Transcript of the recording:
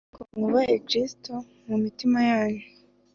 ahubwo mwubahe Kristo mu mitima yanyu